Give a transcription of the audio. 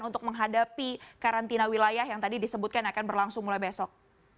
untuk menghadapi karantina wilayah yang tadi disebutkan akan berlangsung mulai besok